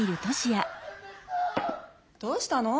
どうしたの？